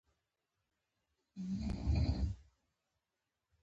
کله چې مو په خوړنځای کې ډوډۍ خوړله.